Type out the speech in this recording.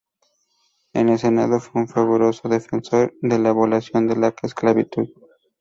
En el senado fue un fervoroso defensor de la abolición de la esclavitud.